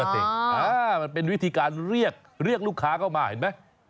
สิมันเป็นวิธีการเรียกเรียกลูกค้าเข้ามาเห็นไหม